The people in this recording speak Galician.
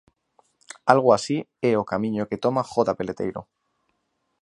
Algo así é o camiño que toma Jota Peleteiro.